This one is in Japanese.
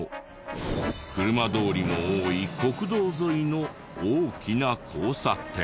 車通りの多い国道沿いの大きな交差点。